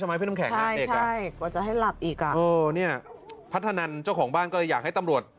ใช่ใช่ว่าจะให้หลับอีกอ่ะออเนี้ยพัทธนันเจ้าของบ้านก็เลยอยากให้ตำรวจ